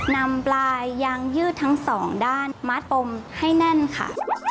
นำปลายยางยืดทั้งสองด้านมัดปมให้แน่นค่ะ